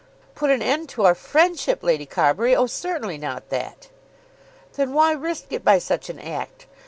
"Put an end to our friendship, Lady Carbury! Oh, certainly not that." "Then why risk it by such an act?